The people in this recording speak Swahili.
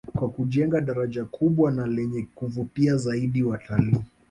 Kwa kujenga daraja kubwa na lenye kuvutia zaidi watalii